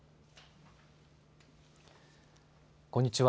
こんにちは。